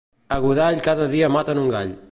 A Godall cada dia maten un gall.